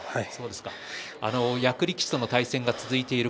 役力士との対戦が続いています